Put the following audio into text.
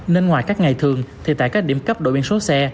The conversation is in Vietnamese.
nên ngoài các ngày thường thì tại các điểm cấp đổi biển số xe